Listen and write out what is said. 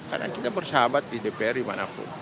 karena kita bersahabat di dpr dimanapun